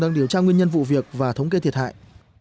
đang điều tra nguyên nhân vụ việc và thống kê thiệt hại